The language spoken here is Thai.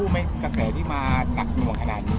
แม็กซ์ก็คือหนักที่สุดในชีวิตเลยจริง